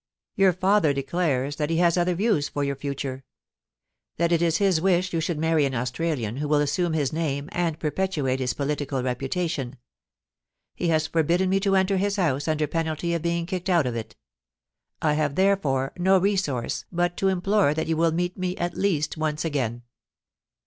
'Your father declares that he has other views for your future — that it is his wish you should marry an Australian who will assume his name and perpetuate his political repu tation. He has forbidden me to enter his house under penalty of being kicked out of it. I have, therefore, no resource but to implore that you will meet me at least once again.